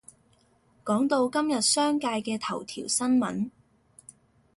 講到今日商界嘅頭條新聞